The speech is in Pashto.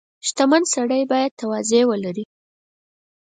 • شتمن سړی باید تواضع ولري.